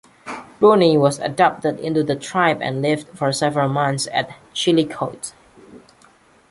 Boone was adopted into the tribe and lived for several months at Chillicothe.